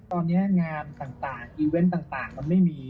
ตอนนี้งานต่างอีเวนต์ต่างมันไม่มี